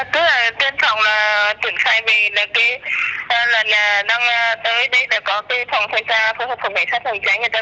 thứ là bên phòng tưởng thại về là cái lần đã tới đấy là có chi phòngsen xa phối hợp phòng cảnh sát phòng cháy